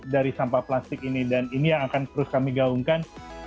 dan ini adalah hal yang akan kami lakukan